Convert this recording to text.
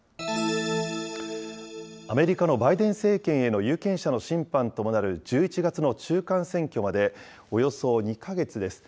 アメリカのバイデン政権への有権者の審判ともなる１１月の中間選挙まで、およそ２か月です。